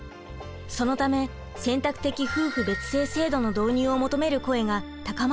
そのため選択的夫婦別姓制度の導入を求める声が高まっています。